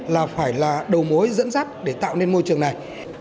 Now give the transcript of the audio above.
là phải là đầu mối dẫn dắt để tạo nên môi trường này